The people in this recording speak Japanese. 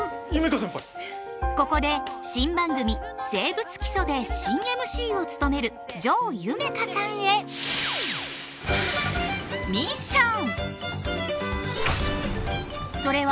ここで新番組「生物基礎」で新ＭＣを務める城夢叶さんへミッション！